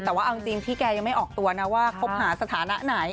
แต่ว่าเอาจริงพี่แกยังไม่ออกตัวนะว่าคบหาสถานะไหน